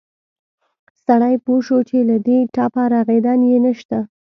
سړى پوى شو چې له دې ټپه رغېدن يې نه شته.